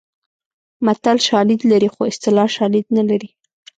متل شالید لري خو اصطلاح شالید نه لري